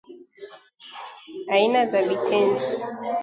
Aina za Vitenzi